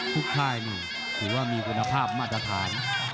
ค่ายนี่ถือว่ามีคุณภาพมาตรฐาน